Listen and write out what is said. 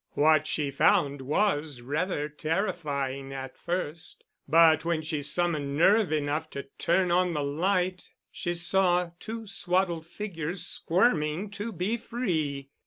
What she found was rather terrifying at first, but when she summoned nerve enough to turn on the light, she saw two swaddled figures squirming to be free.